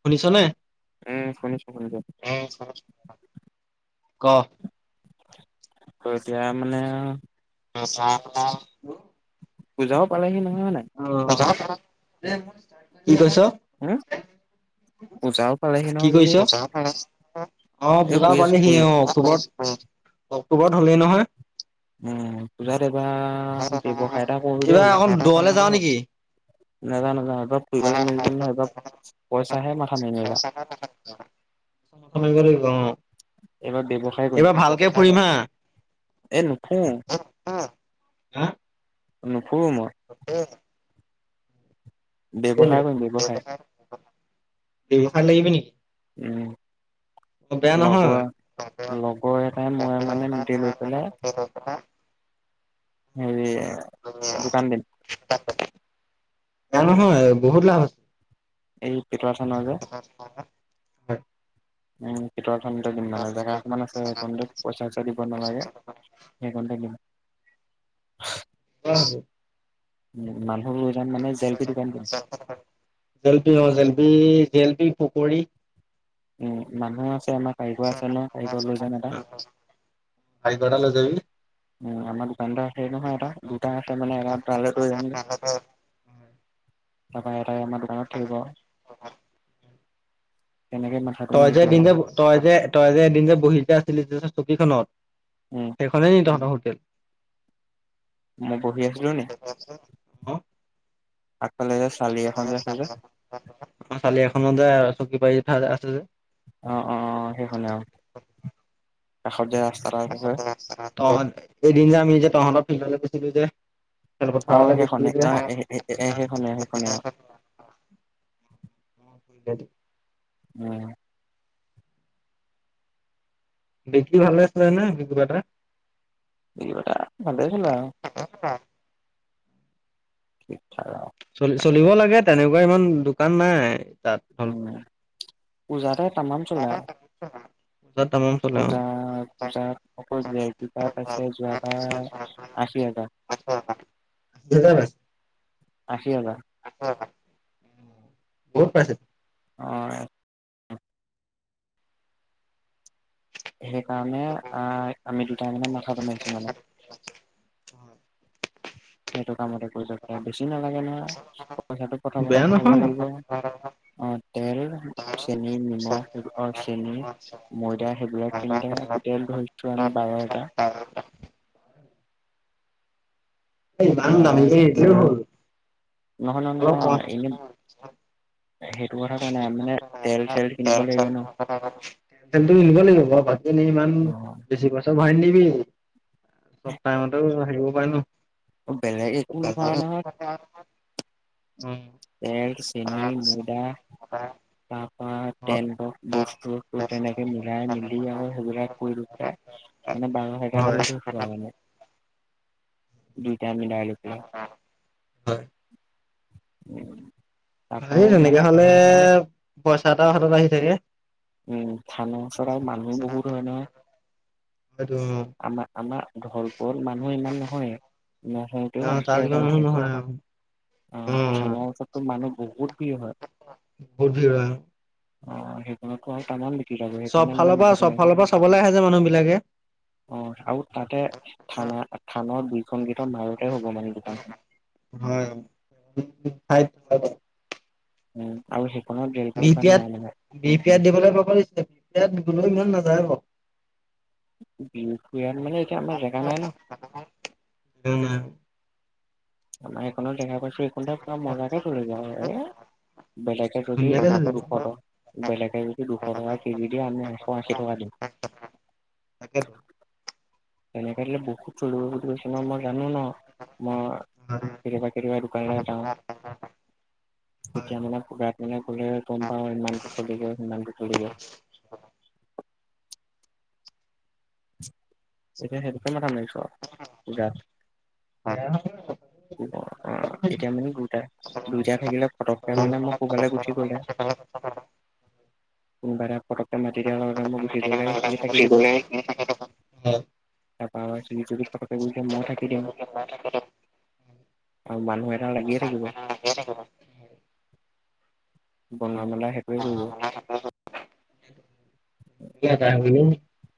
শুনিছ নে? উম শুনিছো, শুনিছো ক ত এতিয়া মানে আও, [unintelligible] পূজাও পালেহি নহয় হয় নাই অ [unintelligible] কি কৈছ হম পূজাও পালেহি কি নহয় বোলো কৈছ অ অ এ পুজাও শুই আছো পালেসি শুই অ আছো খবত অক্টোবৰত হ'লেই নহয়। কিবা ব্যৱসায় এটা কৰোলে বুলি এইবাৰ ভাবিছোঁ অকণ দূৰলে যাওঁ নেকি নাজান নাজানো এইবাৰ ফুৰিবলৈ মেলিব নহয় এইব পইচাহে মাথা ন মাৰিবা মাৰিব লাগিব অ এইবাৰ ভালকে ফুৰিম হা এই নুফুৰো হা। উম অ। ব্যৱসায় কৰিম ব্যৱসায় ব্যৱসায় লাগিবি নেকি? উম। অ বেয়া নহয় লগৰ-লগৰ এটাই মই মানে মিলি লৈ পেলাই [unintelligible] উম। দোকান দিম [unintelligible] ইয়াত নহয় বহুত লাভ আছে। এই পেটুৱা থানৰ যে। হয়। উম। [unintelligible] দিম মানে জেগা অকমান আছে, সেইখনত পইচা-চইচা দিব নালাগে সেইখনতে দিম। [inaudible] অ'। উম মান জেলপি অ' জেলপি-জেলপি। পকৰী। উম মানুহ আছে। আমাৰ কাৰিকৰ আছে ন কাৰিকৰ লৈ যাম এটা। কাৰিকৰ এটা লৈ যাবি। উম আমাৰ দোকানতে আছে নহয় এটা দুটা আছে মানে এটা তালে কৰি আনিলে। তাপাই এটাই আমাৰ দোকানত থাকিব। তেনেকে মাথাটো তই যে মাৰিছো এদিন যে এবাৰ তই যে-তই যে এদিন যে বহি যে আছিলি যে। কিখনত উম, সেইখনেই নি তহঁতৰ হো টেল মই বহি আছিলিলো নে আঁ আমাৰ চালি এখনতে চকি পাৰি ফাদৰ আছে যে। অ অ অ সেইখনে আৰু কাষত দো এদিন যে আমি যে তহ'ত ফিললে গৈছিলো যে। আহ খেলপথাৰলৈ গৈছিলো সেইখনে যে আহ এ সেইখনে সেই শনে আহ উম বিকি ভালে আছিলে ন বিকিবটা ভছ ল ঠিক ঠাক চলি চলিব লাগে তেনেকুৱা ইমান দোকান নাই তাত ভলপ পজাদাত তামাম চলে আৰু তাত তামাম চলে অ পূজা পূজাত সকলে পোজাত আছে যোৱাবাৰ আশী হাজাৰ দুহেজাৰ পাইছে, আ [inaudible] বহুত পাইছে অ সেইকাৰণে আহ আমি দুটাই মে মাথাটোমাৰিছো মানে এইেইটো কামতে কৰি দৰকাৰ বে নালাগে ন পইচাটো প্ৰথমতে বেয়া ভৰাব নহয় লাগিব আহ তেল চেনি নিমখব চেনি ময়দা সেইবিলাক কিনোতে টোটেল ধৰিছো আমি বাৰ এটা নান নামি নহলে ন নহয় এনে সেই তেল লাগিব ন। তেলতো নিিলিব লাগিব বাৰু ভাজি নি ইমান অ', বেছি পইছা ভৰা নি বি সপ্তাহ মতো হ হয় নো বেলেগে কোনো ভোৱা নহয় উম তেল চেনি ময়দা প বা হয় টেন্টক বস্তু বস্তু তেনেকে মিলাই মিলি আৰু সেইবিলাক কৰি দি পেলাই মানে বাৰ সেজাৰ হয় ধৰি থৈছো আৰু মানে উম [unintelligible] উম ভালে তেনেকে হলে পইচা এটাও হাতত আহি থাকে উম থানাও চৰাৰ মানুহ বহুত হয় ন সেইটো আমাৰ আমাৰ ঢলপল মানুহ ইমান নহয়েই অ নহওঁতেও তাত ইমান আশীৰটা মানুহ থায় নহয় আৰু আহ উম, থানাৰ ওচৰতো মানুহ বহুত ভিৰ হয় বহুত ভিৰ অ সেইটো ন কো চব ফালৰ পৰা চব ফালৰ পৰা চবলৈ আহে যে মানুহ বিলাকে অ আৰু তাতে থানা থানাৰ বি খনকেইিত মাৰতে হ'ব মানে দোকানখন হয় খ উম আশ বি পি এাত বি পি এাত দিবলৈ কবছে বি পি এাত গ ইমান না যব উম বি মানে এইতিয়া আমাৰ জেগা নাই ন আমাৰ সেইখনো দেখা পাইছে খনতে পুৰা মজাকে তল যাওঁ এই বেলেগে যদি ধুনীয়াকে চলি দুশ যাব। টকা বেলেকে যদি দুশ টকা কেজি দিিয় আনি আহ খিৰি তাকেইেতো তেনেকলে বু লিবছ মাৰ জানো ন ম ফীৰ পখৰি বাৰ যাওঁ তেতিয়া মানেু মানে গলে গম পাও ইমানটো চলিবৈ সিমানটো চলিবৈ এতিয়া সেইটোকে মাথা মাৰিছো আৰু আহ এতিয়া মানে দুটাই দুইটাই থাকিলে পটককে মানে মই কোনবালে গুচি গলে কোনোবা এটা পটককে মাতি দিয়াৰ লগ লগ মই গুচি গলে অ সে [unintelligible] তাৰাপা চুলিত চিত ফটকে কৰি ময় থাকি দিম আৰু মানুহ এটা লাগিয়ে থাকিব বঙ মেলা সেইটোৱে কৰিব [unintelligible]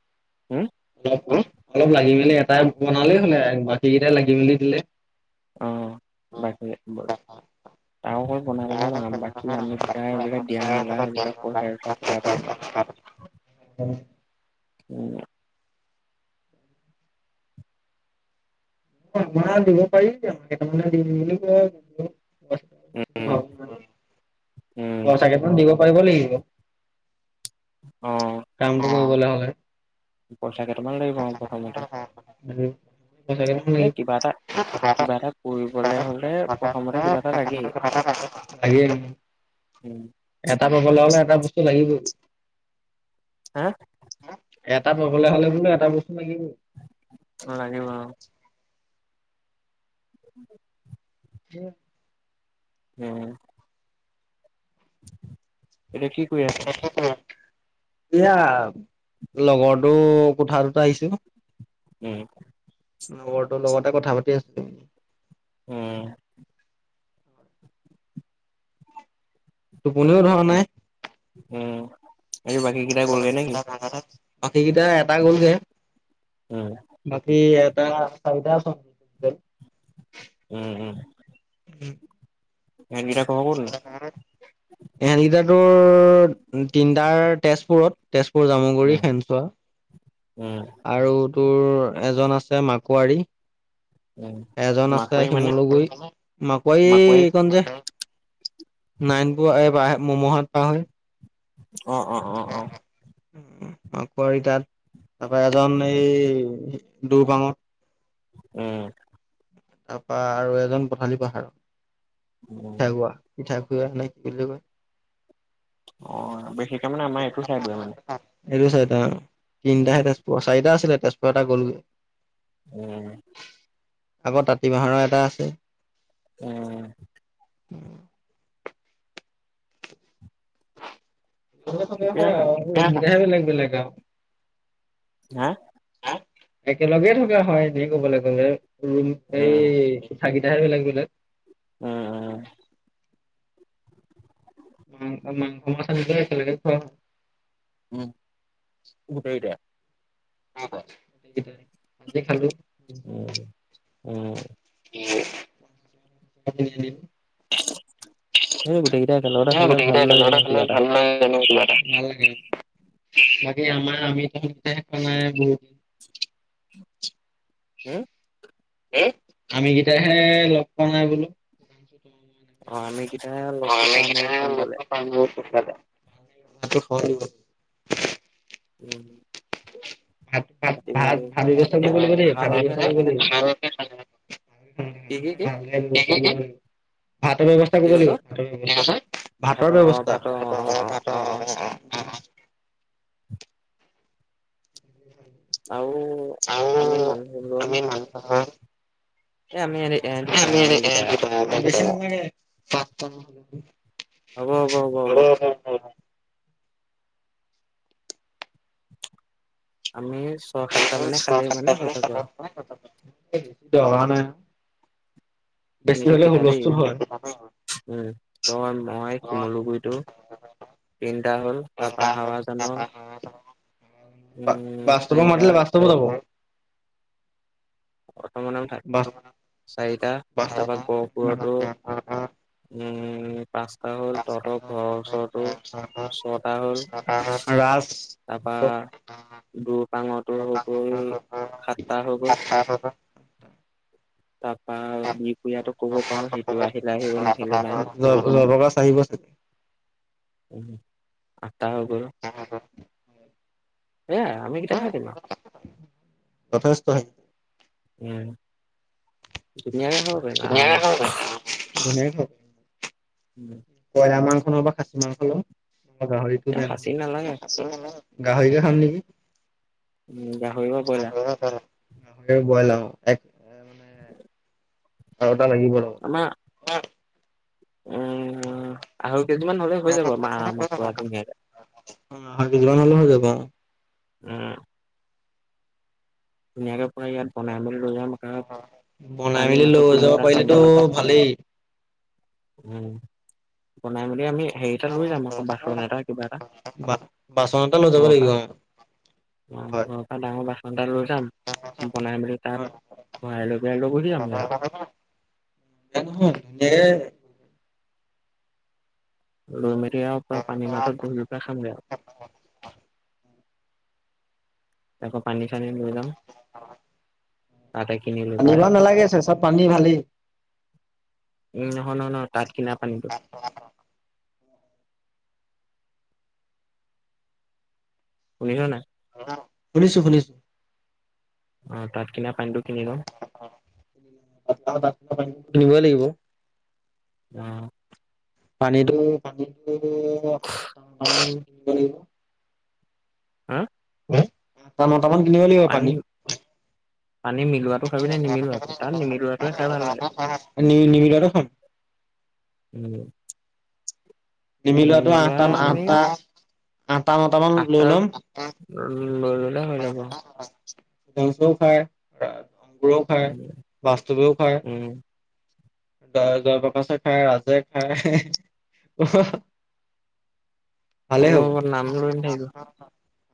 উম অলপ অলপ লাগি মেলি এটাই বনালেই হলে বাকী কেইটাই লাগি মেলি দিলে, অহ বাকী তাৰঘৰত বনাবলে ন বাকী আমি এইবিলাক দিয়া মেলা এইবিলাক পইচা চাইছা কথা পাতি ল উম। তোমাৰ দিব পাৰি আমাৰ কেইটামানে দিম বুলি কৈ আছে। উম উম পাইচাগেইটা দিব। কৰিব লাগিব। অ বু গলে হলে। পইচা কেইটামান লাগিব প্ৰথমতে। উ এ কিবা এটা কিবা এটা কৰিব লে হলে প্ৰথমতে কিবা এটা লাগেই। তাকে [unintelligible] উম এটা পইচা লও নে এটা বস্তু লাগিব। হা এটা পাবলে হ'লে বোলো এটা বস্তু লাগিব। অ লাগিব অ', উম উম এতিয়া কি কৰি আছ? এতিয়া লগৰটো কোঠাটোত আহিছো। উম লগৰটো লগতে কথা পাতি আছো তুমি? উম টোপনিও ধৰা নাই। আৰু বাকী কেইটা গলগে নেকি? বাকী কেইটা এটা গ'লগে। উম বাকী এতিয়া চাৰিতা আছোঁ। উম-উম, উম, ইহঁত কেইটা কৰ-কৰ‌ নো? ইহতকেইটাটোৰ তিনিটাৰ তেজপুৰত। তেজপুৰ, জামুগুৰি, উম খেনচুৱা। উম আৰু তোৰ এজন আছে মাকুৱাৰী উম এজন আছে মাকৈ মানে শিমলু গুড়ি, মাকোৱাৰী মাকৈ এইখন যে নাইনপুৰ এই পাই আহে মমোহট টাউন অ' অ' অ' অ' মাকোৱাৰি তাত তাৰপৰা এজন এই দুগমত উম তাৰপা আৰু এজন পঠালী পাহাৰ। উম পিঠাগুৱা পিঠা বিয়াত নাহিলি কেলে তই অহ' বইক্ষীত তাৰ মানে আমাৰ এইটো চাইডৰ মানে ভেলু চাই থাক। তিনিটাহে তেজপুৰ চাৰিটা আছিলে। তেজপুৰ এটা গ'লগৈ। উম আগৰ তাতিবাহৰো এটা আছে। উম উম ঠিকে আছে [inaudible] কি লাগে আও? হাঁ একেলগেই থকা হয়, যি কবলৈ গ'লে ৰূম এই উম, থাকি [inaudible] উম, উম মাংস মাছ আনিলে একেলগে খোৱা হয়। উম, গোটেইকিটাই? [unintelligible] খালো। উম উম [inaudible] এই গোটেইকেইটা একেলগতে এ খালে ভাল গোটেইকেইটাই লাগে ন একলগতে খালে কিবা এটা ভালো লাগে কিবা এটা। হয় আমাৰ আমি তাতে উম হম হম। আমি কেইটা হে লগ পোৱা নাই বোলো। অ আমি অ লগটো পাম নেকি আৰু এদিন‌ লগ সোনকালে পাম ন। ভোজ খালে মাতটো সলনি হ'ল [unintelligible] উম। ভাত পাতি ভাত মেলি ভাত তাই মানে ভাত ব্যৱস্থা ভালকে কৰিব খানা এটা লাগিব খাম দেই ভাত ব্যৱস্থা কৰিব কি কি লাগিব কি ভালকে থাকিবা এনে কি কি ভাতৰ ব্যৱস্থা কৰিব লাগিব ভাতৰ অ', ব্যৱস্থা ভাতৰ অ', অহ অ', অ', ভাতৰ অ', অ', ব্যৱস্থা অহ অহ। আও। আৰু আমি মানুহ দুজন। এ আমি এহেত কেইটা আমিকেইটাও। এ পা পা। হ'ব হ'ব হ'ব হ'ব। আমি। সাতটা ছয় মানে খালেই মানে সাতটা হৈ যাব আৰু খালেই মানে হৈ যাব তো আহা নাই। আমি‌ বেছি এতিয়া হলে কেইটা দেই হুলস্থুল হয় উম তই মই শিমলুগুৰিটো তিনিটা হ'ল তাপা হাৱাজানৰ উম, বাস্তৱক চাৰিটা মাতিলে বাস্তবো যাব। প্ৰথমৰ নাম থাক চাৰিটা তাৰপৰা গহপুৰতো, উম উম। পাঁচটা হ'ল পাঁচটা তহঁতৰ হ'ল ঘৰৰ তহঁতৰ ওচৰতো ঘৰৰ ওচৰটো ছয়টা হ'ল‌, ৰাজ তাৰপৰা দুপাঙটো হৈ গ'ল সাতটা হৈ গ'ল। [unintelligible] তাৰপা বিহপুয়াতটো ক'ব পাৰো সেইটো আহিলে আহিব নাহিলে নাই। জয় প্ৰকাশ আহিব চাগে [unintelligible] তাৰ উপৰিও, এয়া আমি কিটাহে থাকিম আও। যথেষ্ট উম। [unintelligible] পাৰিম ধুনিয়াকে আৰামত। খাব পাৰিম আৰামত‌, ধুনীয়াকে মোক উম, বয়লা মাংস [unintelligible] খাচী মাংস লম। অ' গাহৰিটো এ বেয়া খাচী নালাগে নহয়, গাহৰিকে খাম নেকি। উম, গাহৰি বা ব্ৰইলাৰ [unintelligible] বয়লা মাংস। এক মানে [unintelligible] লাগিব ৰ! আমাৰ আঠ। উম আ কেইযোৰ মান হ'লে হৈ যাব মা আৰামত পুৰা ধুনীয়াকে। অ আঢ়ৈ কেজি মান হ'লেও হৈ যাব উম ধুনীয়াকে পুৰা ইয়াত বনাই মেলি লৈ যাম আৰু অ' বনাই পানী মেলি মাছত লৈ গোল যাব এটা খামগে পাৰিলেতো আৰু। ভালেই। উম বনাই মেলি আমি হেৰি এটা লৈ যাম আকৌ, বাচন এটা কিবা এটা বা বাচন এটা লৈ যাব ঘৰৰ পৰা, লাগিব অ অ' হয় ঘৰৰ পা ডাঙৰ বাচন এটা লৈ যাম, বনাই মেলি তাত হয় ভৰাই লৈ পেলাই লৈ গুচি যামগে আৰু। বেয়া নহয় ধুনীয়াকে উ [unintelligible] তিয়া আৰু পুৰা পানী মাজত বহিলৈ পেলাই খামগে আৰু। তক [unintelligible] পানী চানী লৈ যাম তাতে কিনি লৈ পানী পেলাই ইমান নালাগে চেচা পানী ভালেই। উম, নহয়, নহয়, নহয় তাত কিনা পানীটো? শুনিছনে নাই? অ' শুনিছো শুনিছো। অ' তাত কিনা পানীটো কিনি ল'ম কিনিবই লাগিব। অ'। পানীটো পানীটো [unintelligible] কি [unintelligible] হুম'। [unintelligible] পানী পানী মিলোৱাটো খাবি নে নিমিলোৱাটো তাত নিমিলোৱাটোৱে খাই ভাল লাগে, নি নিমিলোৱাটো খাম উম। নিমিলোৱাটো নিমিলোৱা আঠটা আমি আঠটা আটা মটামান লৈ আঠটা লম আটা লৈ ল'লে হৈ যাব। [unintelligible] খায় উম ৰা অংকুৰেও উম খায়, বাস্তৱেও খায়। জ জয়প্ৰকাশে খায়, ৰাজে হ'ব খায়। হ'ব নাম লৈ ভালে নাথাকিব হ'ব।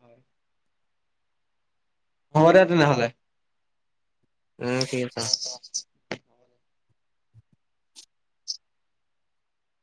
হ'ব দে তেনেহ'লে। উম ঠিক আছে [inaudible]